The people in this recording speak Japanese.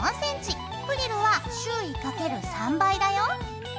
フリルは周囲×３倍だよ。